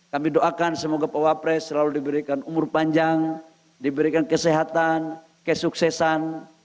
kami doakan semoga pak wapres selalu diberikan umur panjang diberikan kesehatan kesuksesan